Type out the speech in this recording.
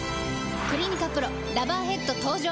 「クリニカＰＲＯラバーヘッド」登場！